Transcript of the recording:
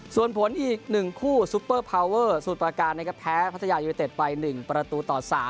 ส่วนผลอีก๑คู่ซุปเปอร์พาวเวอร์สมุทรประการนะครับแพ้พัทยายูนิเต็ดไป๑ประตูต่อ๓